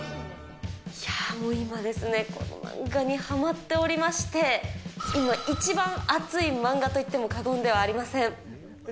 いやー、もう今、この漫画にはまっておりまして、今一番熱い漫画といっても過言ではありません。